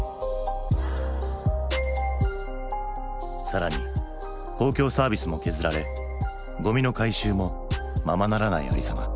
更に公共サービスも削られゴミの回収もままならないありさま。